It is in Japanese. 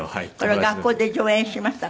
これ学校で上演しましたか？